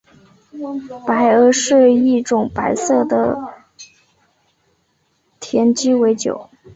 白俄是一种白色的甜鸡尾酒。